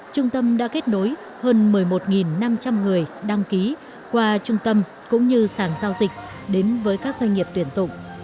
trung tâm đã kết nối hơn một mươi một năm trăm linh người đăng ký qua trung tâm cũng như sản giao dịch đến với các doanh nghiệp tuyển dụng